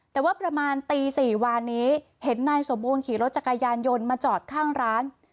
แต่ว่าประมาณตี๔วานนี้เห็นนายสมบูรณขี่รถจักรยานยนต์มาจอดข้างร้าน